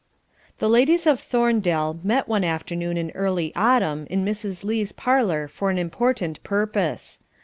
The ladies of Thorndale met one afternoon in early autumn in Mrs. Lee's parlour for an important purpose.